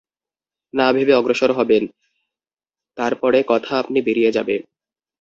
না ভেবে অগ্রসর হবেন, তার পরে কথা আপনি বেরিয়ে যাবে।